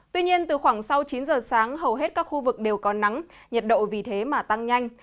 tuy nhiên từ khoảng sau chín giờ sáng hầu hết các khu vực đều có nắng nhiệt độ vì thế mà tăng nhanh